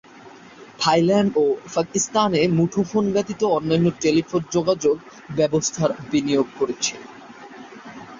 Thailand ও পাকিস্তানে মুঠোফোন-ব্যতীত অন্যান্য টেলিযোগাযোগ ব্যবস্থায় বিনিয়োগ করেছে।